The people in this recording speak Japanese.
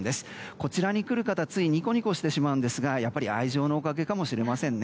こちらに来る方ついニコニコしてしまうんですがやっぱり愛情のおかげかもしれませんね。